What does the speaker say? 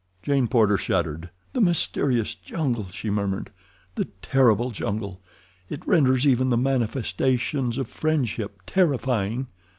Jane Porter shuddered. "The mysterious jungle," she murmured. "The terrible jungle. It renders even the manifestations of friendship terrifying."